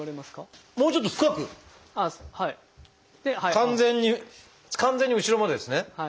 完全に完全に後ろまでですね。